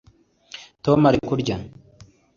Tom ari kurya